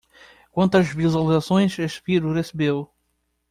Quantas visualizações esse vídeo recebeu?